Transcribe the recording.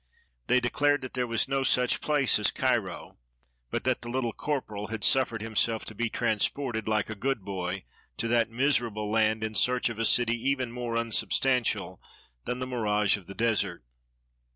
They declared that there was no such place as Cairo, but that the ''Little Corporal" had suf fered himself to be transported, like a good hoy, to that miserable land, in search of a city even more unsub stantial than the mirage of the desert.